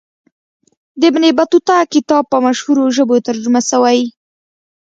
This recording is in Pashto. د ابن بطوطه کتاب په مشهورو ژبو ترجمه سوی.